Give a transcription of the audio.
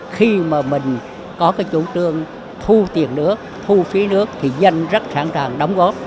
khi mà mình có cái chủ trương thu tiền nước thu phí nước thì dân rất sẵn sàng đóng góp